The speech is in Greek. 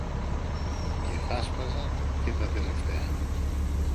και θα 'σπαζαν και τα τελευταία